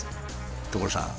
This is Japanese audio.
所さん！